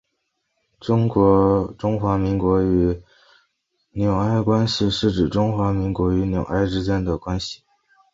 中华民国与纽埃关系是指中华民国与纽埃之间的关系。